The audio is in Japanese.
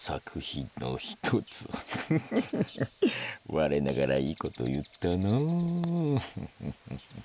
我ながらいいこと言ったなぁ。